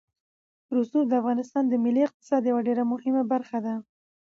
رسوب د افغانستان د ملي اقتصاد یوه ډېره مهمه برخه ده.